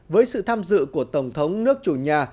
với sự tham dự của tổng thống nước chủ nhà